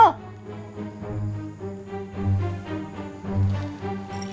nggak ada tempat lagi buat ngobrol